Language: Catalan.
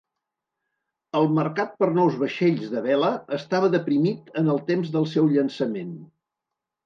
El mercat per nous vaixells de vela estava deprimit en el temps del seu llançament.